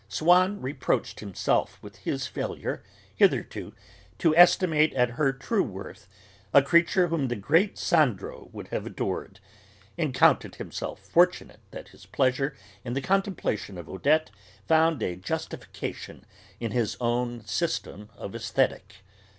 Swann reproached himself with his failure, hitherto, to estimate at her true worth a creature whom the great Sandro would have adored, and counted himself fortunate that his pleasure in the contemplation of Odette found a justification in his own system of aesthetic.